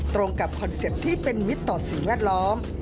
ตรงกับคอนเซ็ปต์ที่เป็นมิตรต่อสิ่งแวดล้อม